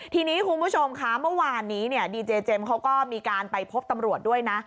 ทีนี้คุณผู้ชมคะเมื่อวานนี้ดีเจเจมส์เขาก็มีการไปพบตำรวจด้วยนะ